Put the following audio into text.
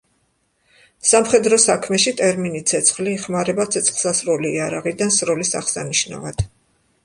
სამხედრო საქმეში ტერმინი „ცეცხლი“ იხმარება ცეცხლსასროლი იარაღიდან სროლის აღსანიშნავად.